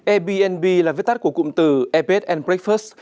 airbnb là viết tắt của cụm từ ipad and breakfast